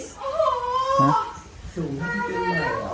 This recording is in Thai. น่ารักนิสัยดีมาก